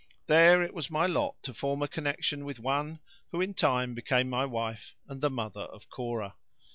There it was my lot to form a connection with one who in time became my wife, and the mother of Cora.